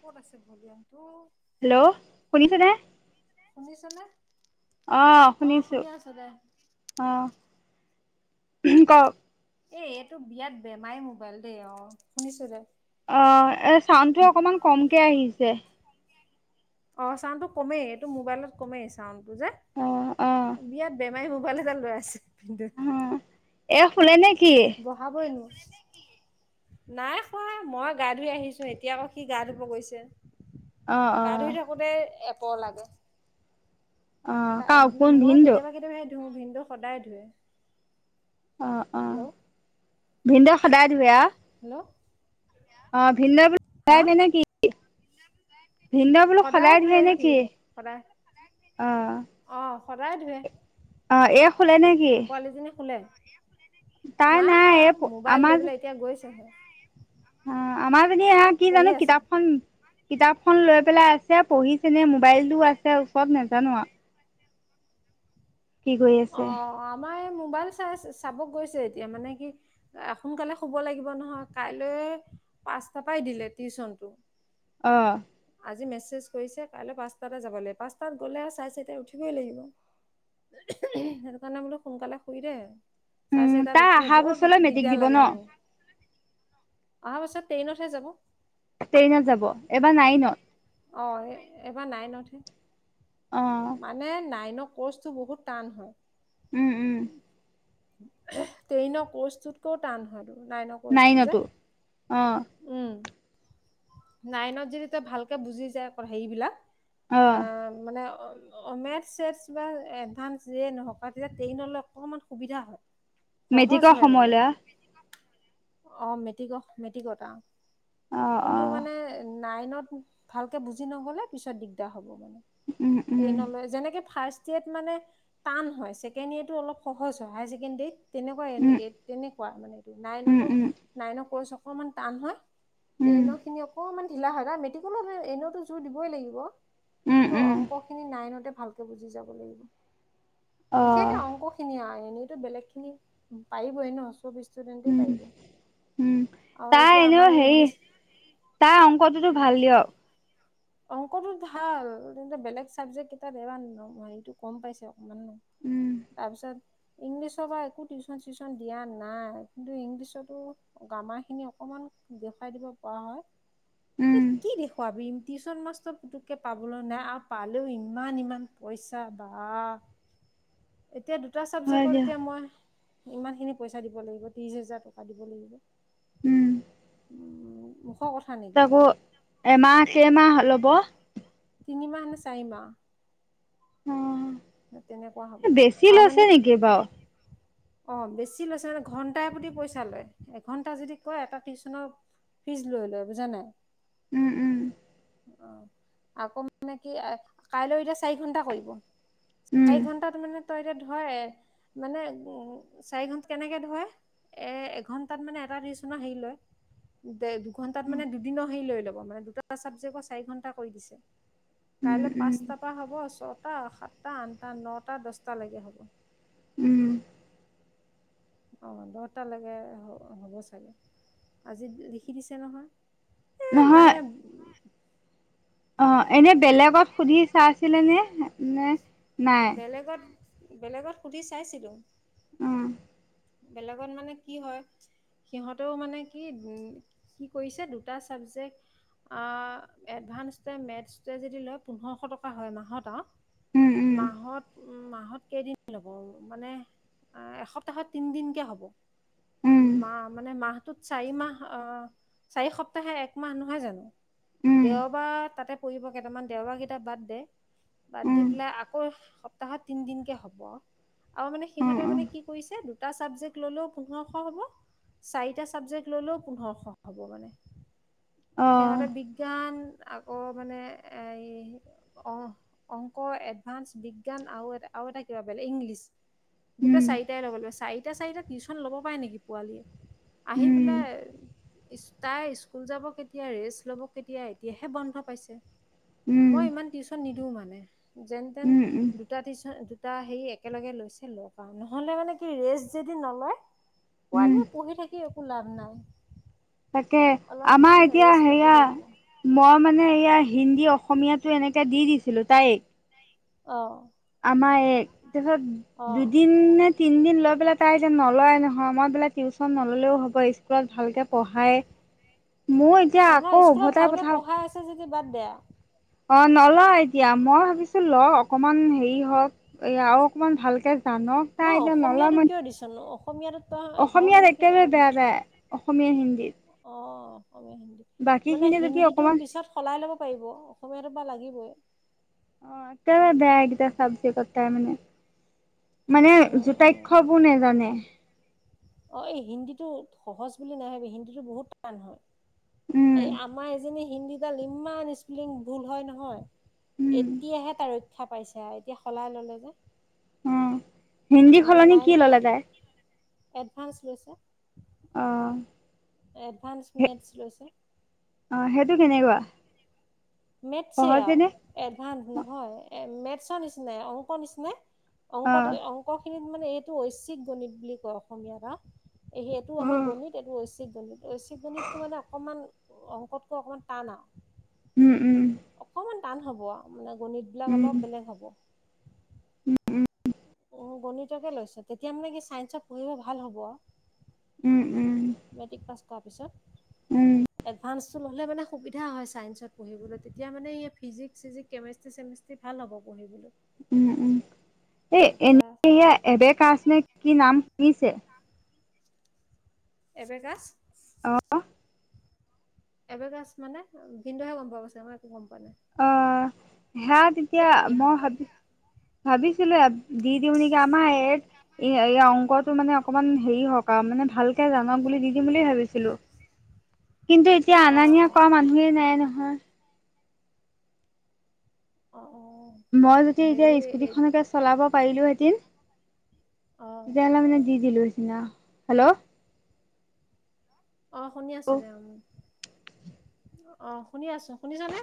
ক'ত আছে ভলিয়মটো? হেল্ল! শুনিছেনে? শুনিছ নে? অ', শুনিছো। দে। অ', ক'ক। এ, এইটো বিয়াট বেমাৰী মোবাইল দেই, অ', শুনিছো দে। অ', এ চাউণ্ডটো অকমান কমকে আহিছে। অ', চাউণ্ডটো কমেই এইটো মোবাইলত কমেই চাউণ্ডটো যে, অঁ অঁ বিৰাট বে মাৰী মোবাইল এটা লৈ আছে, ভিনদৈ। এই শুলে নে কি? বহাবইনো। নাই শুৱা, মই গা ধুই আহিছো, এতিয়া আকৌ সি গা ধুব গৈছে। অঁ গা অঁ ধুই থাকোতেই এপৰ লাগে। অঁ তা কাৰ ভি কোন মই ভিনদেউ? কেতিয়াবা কেতিয়াবা সে ধুও ভিনদৈ সদায় ধোৱে। অ', অ'। ভিনদৈ সদায় ধোৱে আৱ। হেল্ল! অ', ভিনদ্ বুলো হা [unintelligible] নে কি? ভিনদ্ বোলো সদায় ধুৱে নে কি? অ'। অ', সদায় ধুৱে। অ', এ পোৱালীজনী শুলে? তাই নাই শুৱা, এই মোবাইল লৈ পেলাই এতিয়া গৈছেহে। অ', আমাৰ জনী এয়া কি পঢ়ি জানো আছে কিতাপখন কিতাপখন লৈ পেলাই আছে, পঢ়িছেনে মোবাইলটোও আছে ওচৰত নেজানো আৰু। আছে অ', আমাৰ এ মোবাইল চাই চাব গৈছে এতিয়া মানে কি, সোনকালে শুব লাগিব নহয় কাইলৈ পাঁচটা পাই দিলে টিউচনটো। অ'। আজি মেছেজ কৰিছে কাইলৈ পাঁচটাতে যাব লাগে, পাঁচটাত গ'লে চাৰে চাৰিটাত উঠিবই লাগিব। সেইটো কাৰণে বোলো সোনকালে শুই দে। উম চাৰে চাৰিটাত তাৰ উঠে, অহা বৰ বছৰলৈ মেট্ৰিক দিগদাৰ দিব ন লাগে মোৰ। অহা বছৰ টেইনতহে যাব। টেইনত যাব, এবাৰ নাইনত। অ', এবাৰ নাইনটহে। অ' মানে, নাইনৰ কৰ্চটো বহুত টান হয়। উ, উ। টেইনৰ কৰ্চটোতকও টান হয় এতো। নাইনৰ কৰ্চটো যে, নাইনতো অ' উ। নাইনত যদি তই ভালকে বুজি যায় হেইবিলাক অ' আহ মানে মে বা এভানস যে নহক আও তেতিয়া ট্ৰেইনলৈ অকমান সুবিধা হয় সহজ মেটিকৰ হয় মানে সময়লৈ আহ অ মেট্টিকত মেট্টিকত অ' কিন্তু অ' মানে নাইনত ভালকে বুজি নগ'লে পিছত দিগদাৰ হ'ব মানে উম উম ট্ৰেইনলৈ যেনেকে ফাস্ট মানে টান হয় ছেকেনিয়েৰ টো অলপ সহজ হয় হায় ছেকেণ্ডেৰিত তেনেকুৱা উম তেনেকুৱা মানে এইটো উম নাইনতো উম নাইনৰ কৰ্চ অকণমান টান হয় উম ট্ৰেইনৰ খিনি অকনমান ঢিলা হয় মেটিকলৈ এনেওটো যোৰ দিবই লাগিব উম কিন্তু উম অংক খিনি নাইনতে ভালকে বুজি যাব লাগিব বিশেষকে অ' অংক খিনি আৰু এনেইতো বেলেগ খিনি পাৰিবই চবে ষ্টুডেণ্টে উম পাৰিব উম আৰু তাই এতিয়া এনেও আমাৰ এই হেৰি ইংলিছ তাই অংকটোতো ভাল দিয়ক অংকটো ভাল কিন্ত বেলেগ চাবজেক্ট কেইটাত এবাৰ নম হেইটো কম পাইছে উম তাৰপিছত ইংলিছৰ পৰা একো টিউচন চিউচন দিয়া নাই কিন্তু ইংলিছৰতো গ্ৰামাৰ খিনি অকমান দেখুৱাই দিব পৰা হয় উম কি দেখুৱাবি টিউচন মাষ্টৰ পুতুকে পাবলৈ নাই আৰু পালেও ইমান ইমান পইচা বা এতিয়া দু দুটা হয় ছাবজেক্টত দিয়ক এতিয়া মই ইমানখিনি পইচা দিব লাগিব ত্ৰিছ হোজাৰ টকা দিব লাগিব উম মুখৰ কথা নেকি তাক এমা আ দেমাহ ল'ব তিনিমাহ নে চাৰিমাহ উম তেনেকুৱা হ'ব আৰু মানে নেকি বাৰু অ বেছি লৈছে মানে ঘন্টাই প্ৰতি পইচা লয় এঘন্টা যদি কৰে এটা টিউচন ফিজ লৈ লয় বুজা নাই উম উম অ আকৌ মানে কি কাইলৈ এতিয়া চাৰি ঘন্টা কৰিব উম চাৰি ঘণ্টা ত মানে ধৰ এক চাৰি ঘন্টাত কেনেকে ধৰে এ এঘন্টাত মানে এটা দিছোঁ ন হেৰি লৈ দে দুঘন্টাত উম। মানে দুদিনৰ হেৰি লৈ ল'ব মানে দুটা চাবজেক্ট চাৰি ঘন্টা কৰি দিছে উম কাইলৈ উম পাঁচটাৰ পৰা হ'ব ছটা সাত সাতটা আঠটা নটা দছটা লৈকে হ'ব উম অ দহটালৈকে হ'ব চাগে আজি লিখি দিছে নহয় এ নহয় মানে অ এনে বেলেগত সুধি চাইছিলে নে নে নাই বেলেগত বেলেগত সুধি চাইছিলো উম বেলেগত মানে কি হয় সিহঁতেও মানে কি কি কৰিছে দুটা ছাবজেক্ট এ এডভানসটোয়ে মেছ্ৰটোয়ে যদি লয় পোন্ধৰশ টকা হয় মাহত আও উম মাহত উম মাহ কেইদিন ল'ব মানে এসপ্তাহত তিন দিনকে হ'ব উম মা মানে মাহটোত চাৰি মাহ আহ চাৰি সপ্তাহে একমাহ নহয় জানো উম দেওবাৰ তাতে পৰিব কেইটামান দেওবাৰ কেইটা বাদ দে বাদ দি উম পেলাই আকৌ সপ্তাহত তিন দিনকে হ'ব আৰু মানে উম উম সিহঁতে উম মানে কি কৰিছে দু এটা ছাবজেক্ট ল'লেও পোন্ধৰশ হ'ব চাৰিটা ছাবজেক্ট ললেও পোন্ধৰশ হ'ব মানে। অ সিহঁতে বিজ্ঞান আকৌ মানে এ অ' অ'। অংক, এডভান্স, বিজ্ঞান আৰু আৰু এটা কিবা বেলেগ ইংলিছ। গোটেই উম চাৰিটাই লব লাগিব চাৰিটা চাৰিটা টিউশ্যন ল'ব পাৰে নেকি পোৱালীয়ে। আহি উম পেলায়। তাই স্কুল যাব কেতিয়া ৰেষ্ট ল'ব কেতিয়া এতিয়াহে বন্ধ পাইছে। উম মই ইমান টিউচন নিদিও মানে যেন তেন উম উম দুটা টিউচন। দুটা হেৰি একেলগে লৈছে লগ আৰু নহ'লে মানে কি ৰেষ্ট যদি নলয়। উম পোৱালীয়ে পঢ়ি থাকি একো লাভ নাই। তাকে অলপমান আমাৰ এতিয়া ৰেষ্ট ল'ব লাগিব সেয়া মই মানে এইয়া। হিন্দী অসমীয়াতো এনেকে দি দিছিলো তাইক। অ' আমাৰ এইক তাৰপিছত অ দুদিন নে তিনদিন লৈ পেলাই তাই যে নলয় নহয়। মই বোলে টিউচন নল'লেও হ'ব স্কুলত ভালকে পঢ়াই। মোৰ এতিয়া অ নাই আকৌ স্কুলত উভতাই ভালকে পঠাও পঢ়াই আছে যদি বাদ দেয়া। অ' নলোৱা এতিয়া মই ভাবিছো ল অকমান হেৰি হওঁক এ আৰু অকমান ভালকে জানক ন তাই এতিয়া নলয় মই এতিয়া অসমীয়াটো ত ঘৰ মানুহখিন বেয়া তাই অসমীয়া, হিন্দী। মানে হিন্দীটো অকমান পিছত সলাই ল'ব। পাৰিব অসমীয়াটো বা লাগিবই। অ' একে বাই বেয়া এইকেইটা চাবজেক্ট তাই মানে। মানে উম উম জোতাক্ষবোৰ নেজানে। অ' এই হিন্দীটো সহজ বুলি নাভাবিবি হিন্দীটো বহুত টান হয়। উম এই আমাৰ এজনী হিন্দীগাল ইমান স্পেলিং ভুল হয় নহয়। উম এতিয়াহে তাৰ ৰক্ষা পাইছে আৰু এতিয়া সলাই ল'লে যে। অ অ হিন্দী এতিয়া সলনি নাই কি নাপা ল'লে তাই। এডভান্স লৈছে। আহ। এডভান্স মেটছ লৈছে। অ' সেইটো কেনেকুৱা। মেথছে আৰু সহজেনে এডভান্স নহয় মেথছৰ নিচি অংকৰ নিচিনা। অ অংকটো অংকখিনিত মানে এইটো ঐশ্বিক গণিত বুলি কয় অসমীয়াত। এইটো আমাৰ উম গণিত, এইটো ঐশ্বিক গণিত, ঐশ্বিক গণিতটো মানে অকণমান অংকতকৈ অকমান টান আৰু। উম, উম। অকমান টান হ'ব মানে গণিত বিলাক অলপ বেলেগ হ'ব। উম অ' গণিতকে লৈছ, তেতিয়া মানে কি চাইন্সত পঢ়িব ভাল হ'ব। উম উম মেট্ৰিক পাছ কৰা উম পিছত এভান্সটো ল'লে মানে সুবিধা হয়। ছায়েন্সত পঢ়িবলৈ তেতিয়া মানে ফিজিক্স চিজিক্স কেমিষ্ট্ৰিৰ ভাল হয়। হ'ব পঢ়িবলৈ। উম, উম, এই তেতিয়া এনেয়া এবেকাশ্ম কি নাম শুনিছে। এবেকাচ্ছ আহ এবেকাচ্ছ মানে ভিন্দহে গ'ম পাব ছাগে মই একো গ'ম পোৱা নাই। হেয়া তেতিয়া এই ইহ মই ভাবি ভাবিছিলোঁ। দি দিউনিকি আমাৰ এইক। এ এই অংকটো মানে অকমান হেৰি হওঁক আৰু মানে ভালকে জানক বুলি দি দিম বুলি ভাবিছিলোঁ। কিন্তু এতিয়া অ অনা নিয়া অ কৰা মানুহেই নাই নহয়। অ অ মই যদি এতিয়া হেৰি স্কুটিখনকে চলাব পাৰিলোঁ হেতেন। অ তেতিয়াহ'লে মানে দি দিলো সিদিনা হেল্ল। অ শুনি অ আছোঁ দে [unintelligible] অ শুনি আছোঁ শুনিছানে।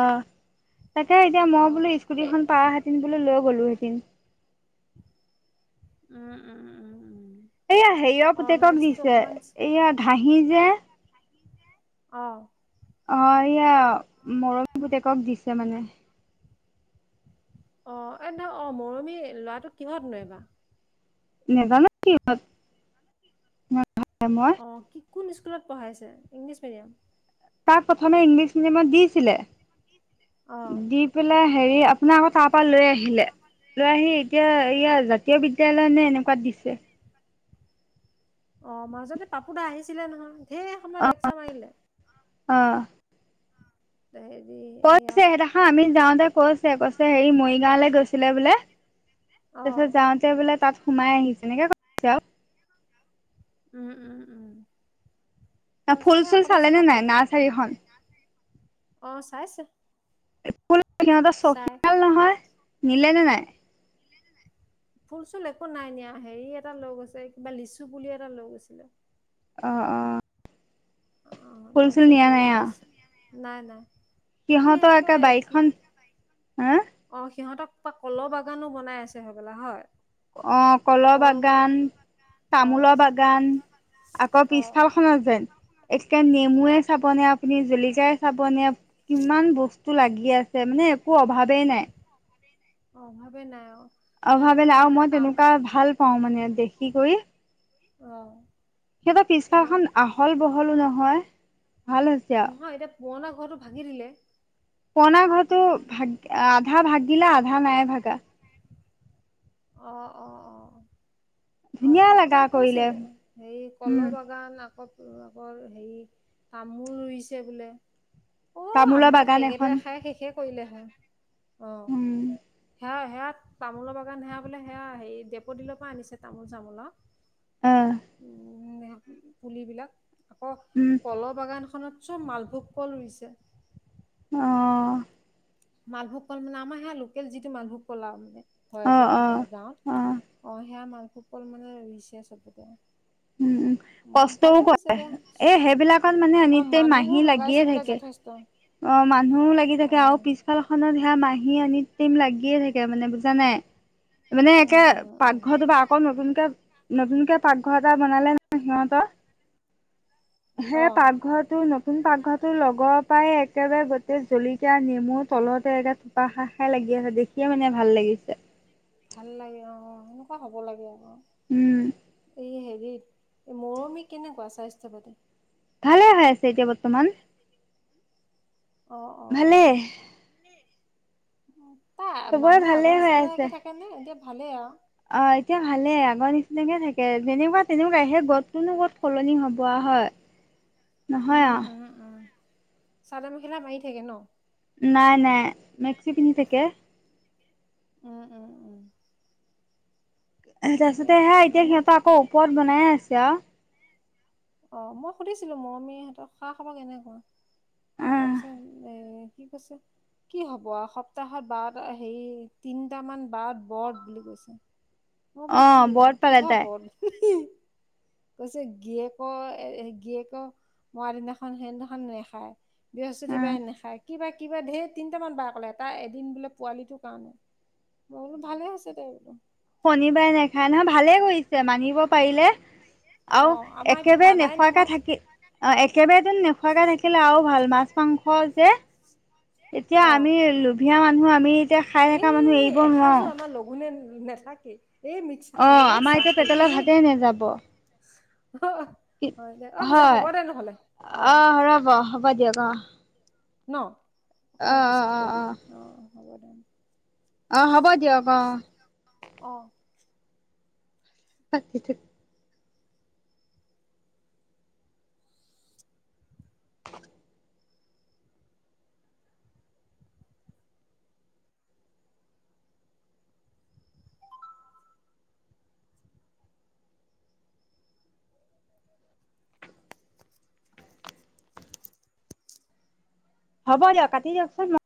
অ তাকে এতিয়া অ মই বোলো এ স্কুটিখন পাৰা হেতেন বোলে লৈ গ'লো হেতেন। উম উম উম উম। এইয়া হেৰিয়ৰ অ পুতেকক মেথছটো দিছে অকমান এইয়া ঘাহি যে। অ। অ এয়া মৰমি পুতেকক দিছে মানে। অ [unintelligible] মৰমী ল'ৰাটো কিহত নো এইবাৰ। নেজানো কিহত। [unintelligible] অ কি কোন স্কুলত পঢ়াইছে ইংলিছ মিডিয়াম। তাক প্ৰথমে ইংলিছ মিডিয়ামত দিছিলে অ দি পেলাই। হেৰি আপোনাৰ আকৌ তাৰ পৰা লৈ আহিলে লৈ আহি। এতিয়া এইয়া জাতীয় বিদ্যয়ালয় নে এনেকুৱাত দিছে। অ মাজতে পাপু দা আহিছিলে নহয় ঢেৰ সময় লেকচাৰ মাৰিলে। অ। হেৰি কৈছে এয়া সেই দেখা আমি যাওঁতে কৈছে কৈছে হেৰি মৰিগাঁৱলৈ গৈছিলে বোলে। অ তাৰপিছত যাওঁতে বোলে তাত সোমাই আহিছে এনেকে [unintelligible] আৰু। উম উম উম। [unintelligible] তাৰপিছত ফুল সেই চুল চালে নে নাই নাৰ্চাৰীখন। অহ চাইছে। ফুল সিহঁতৰ চাই চখিয়াল নহয় নিলে নে নাই। ফুল চুল একো নাই নিয়া হেৰি এটা লৈ গৈছে কিবা লিচু পুলি এটা লৈ গৈছে। অ অ। অ তাৰপিছত হেৰি আৰু লিচু [unintelligible] নাই নাই। সি সিহঁতৰ সেনেকে একে সি বাৰীখন হা। কলো বাগানো বনাই আছে হবলা হয়। অ কলো কল বাগান। অ তামোলৰ বাগান আকৌ অ পিছফাল খন। [unintelligible] একে নেমুৱে চাবনে আপুনি জলকিয়াই চাবনে কিমান বস্তু লাগি আছে। [unintelligible] একো অভাৱেই নাই। অভাৱেই নাই অ। সিহঁতে অভাৱেই নাই মানে আৰু সেয়া মই তাম তেনেকুৱা ভাল পাওঁ মানে দেখি কৰি। অ। সিহঁতৰ পিছফাল ইয়া খন আহল বহলো নহয় ভাল হৈছে আৰু। নহয় এতিয়া পুৰণা ঘৰটো ভাঙি দিলে। পুৰনা ঘৰতো ভাগি আধা ভাগিলে আধা নাই ভাগা। অ অ অ। অ ধুনীয়া পাপু লগা দাই কৰিলে কৈছিলে হেৰি উম কলো বাগান আকৌ। [unintelligible] হেৰি তামোল ৰুইছে বোলে। তামোলৰ বাগান এখন। কৈলে হয়। অ হুম। সেয়া তামোলৰ বাগান সেয়া বোলে সেয়া হেৰি ডেপ'ডিলৰ পৰা আনিছে তামোল চামোল অ। আহ [unintelligible] পুলিবিলাক আকৌ উম কলো বাগান। খনত চব মালভোগ কল ৰুইছে। অ', মালভোগ কল মানে আমাৰ সেয়া লোকেল যিটো মালভোগ কল আৰু। হয় যে অ', অ', গাঁৱত অ', অ সেয়া মালভোগ কল ৰুইছে চবতে। উম উম। অ কষ্টও ভালে হৈছে কৰে দে এ সেইবিলাকত মানে অ এনেতে মানুহো মাহী লগাইছে লাগিয়ে বোলে থাকে। যথেষ্ট অ' মানুহো লাগি অ থাকে আৰুি পিছফাল খত সেয়া মাহী আনি টিম লাগিয়ে থাকে মানে বুজা নাই। মানে একে উম উম উম পাকঘৰটো বা আকৌ নতুনকে নতুনকে পাকঘৰ এটা বনালে নহয় সিহঁতৰ অ সেই পাকঘৰটো নটোন পাকঘৰটোৰ লগত লগপাই একেবাৰে গোটেই জলকীয়া নেমু তলতে একে থোপা খাক খাই লাগি আছে দেখিয়ে মানে ভাল লাগে দিছে। ভাল লাগে অ' অ' সেনেকুৱা হব লাগে অ' উম, এই হেৰিত মৰমী কেনেকুৱা স্বাস্থ্য পাতি? ভালে হৈ আছে এতিয়া বৰ্তমান। অ অ অ ভালে। তাই চবৰে মানুহ ভালে আগৰ হৈ আছে। নিচিনাকে থাকে নে এতিয়া ভালেই আৰু? অ' এতিয়া ভালে আগৰ নিচিনাকে থাকে যেনেকুৱা তেনেকুৱা সে গত টোনো কত সলনি হ'ব আৰু। হয় নহয় উম আৰু। উম উম চাদৰ মেখেলা মাৰি থাকে ন'? নাই নাই মেক্সি পিন্ধি থাক। উম, উম, উম। অ দিয়া তাৰিছতে হেয়া এতিয়া মানে সিহঁতৰ আকৌ ওপৰত বনাইে আছে। অ' মই সুধিছিলো মৰমী সহতৰ খা খাব কেনেকুৱা তাৰপিছত এ কি কৈছে কি হ'ব সপ্তাহত বাট হেৰি তিনটামান বাট বৰ বুলি কৈছে। মই অ বোলে কি বত পালে কিহ তাই বট হিঃ কৈছে গিয়েক অ' এ গীৰিয়েকৰ মৰা দিনাখন সেইদিনাখন নেখায় উম বৃহস্পতিবাৰে নেখায় কিবা কিবা ধেৰ তিনটামান বাৰ ক'লে তাই এদিন বোলে পোৱালিটোৰ কাৰণে মই বোলো ভালে হৈছে দে বোলো। শনিবাৰে নাখায় নহয় ভালে কৰিছে মানিব পাৰিলে অ আৰু আমাৰ এতিয়া একেবাৰে মানাই নোখোৱাকে নহয় থাকি অ' একেবাৰেন নোখোৱাকা থাকিলে আৰু ভাল মাছ- মাংস যে এতিয়া অ আমি লোভিযয়া মানুহ আমি এতিয়া খাই থকা মানুহ এৰিব নোৱাৰো। নে থাকেই। অ' আমাৰ এতিয়া পেটলে ভাতে নাযাব। অ' হয় দে অ' পূজা হয় হ'ব দে নহ'লে অ'। বাদ দিওক অ'। ন' অ অকমান অ পিছত অ কৈ দি অ' হ'ব। দে অ' হ'ব দিয়ক অ'। অ' পাকি থ [unintelligible] হ'ব দিয়ক কাটি দিয়কচোন।